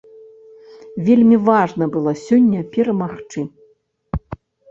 Вельмі важна было сёння перамагчы.